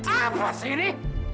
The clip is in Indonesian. apa sih ini